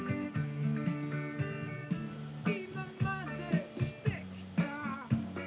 「今までして来た」